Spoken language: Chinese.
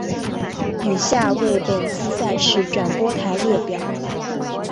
以下为本次赛事转播台列表。